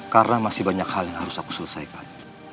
karena masih banyak hal yang harus aku selesaikan